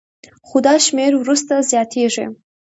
خو دا شمېر وروسته زیاتېږي